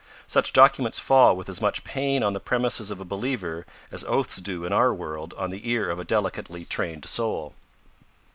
Such documents fall with as much pain on the premises of a believer as oaths do in our world on the ear of a delicately trained soul.